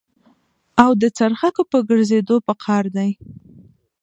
او د څرخکو په ګرځېدو په قار دي.